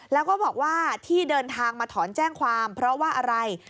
แล้วก็บอกว่าที่เดินทางมาถอนแจ้งความเพราะว่าอะไร